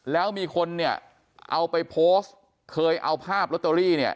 แล้วมีคนเนี่ยเอาไปโพสต์เคยเอาภาพลอตเตอรี่เนี่ย